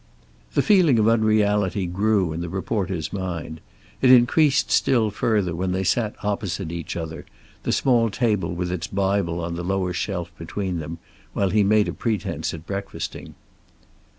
The feeling of unreality grew in the reporter's mind. It increased still further when they sat opposite each other, the small table with its Bible on the lower shelf between them, while he made a pretense at breakfasting.